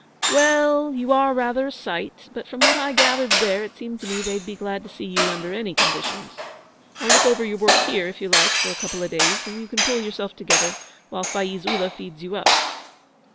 'Well, you are rather a sight, but from what I gathered there it seemed to me they'd be glad to see you under any conditions. I'll look over your work here, if you like, for a couple of days, and you can pull yourself together while Faiz Ullah feeds you up.'